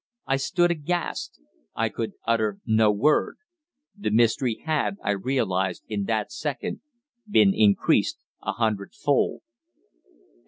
I stood aghast. I could utter no word. The mystery had, I realized in that second, been increased a hundredfold.